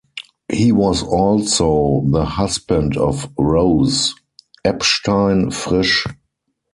He was also the husband of Rose Epstein Frisch.